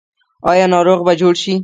آیا ناروغ به جوړ شي؟